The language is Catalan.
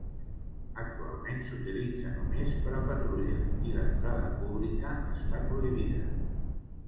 Actualment s'utilitza només per a patrulla i l'entrada pública està prohibida.